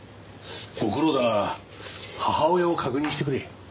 ご苦労だが母親を確認してくれ。